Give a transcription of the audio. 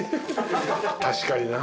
確かにな。